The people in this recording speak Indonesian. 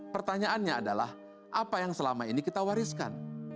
pertanyaannya adalah apa yang selama ini kita wariskan